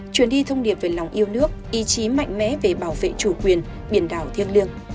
truyền đi thông điệp về lòng yêu nước ý chí mạnh mẽ về bảo vệ chủ quyền biển đảo thiêng liêng